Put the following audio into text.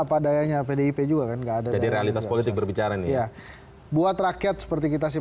ada pdip juga kan gak ada di realitas politik berbicara nih ya buat rakyat seperti kita sih